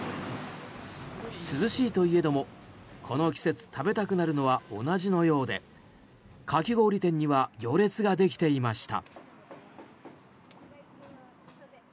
涼しいといえども、この季節食べたくなるのは同じのようでかき氷店には行列ができていました。